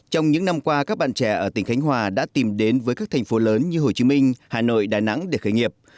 trong những năm qua các bạn trẻ ở tỉnh khánh hòa đã tìm đến với các thành phố lớn như hồ chí minh hà nội đà nẵng để khởi nghiệp